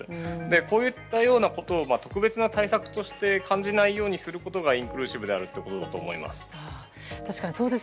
こういったようなことを特別な対策と感じないようにすることがインクルーシブであるということだと思います。